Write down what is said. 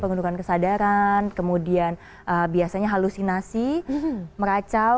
pengunduran kesadaran kemudian biasanya halusinasi meracau